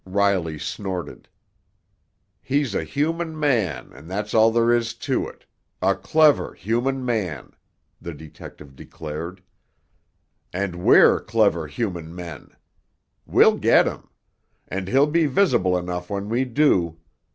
Riley snorted. "He's a human man, and that's all there is to it—a clever, human man!" the detective declared. "And we're clever, human men! We'll get him! And he'll be visible enough when we do!